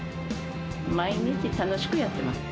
毎日楽しくやってます。